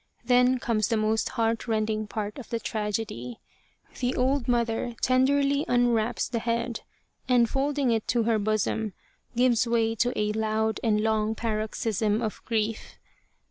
Then comes the most heart rending part of the tragedy. The old mother tenderly unwraps the head and, folding it to her bosom, gives way to a loud and long paroxysm of grief.